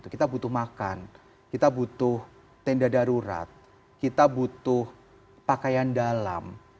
kita butuh makan kita butuh tenda darurat kita butuh pakaian dalam